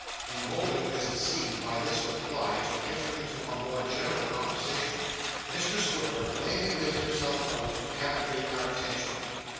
Emboldened as it seemed by this reply to enter into a more general conversation, Mr Swiveller plainly laid himself out to captivate our attention.